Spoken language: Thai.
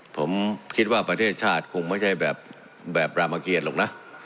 ผมคิดว่าประเทศชาติคงไม่ใช่แบบรามเกียรหรอกนะ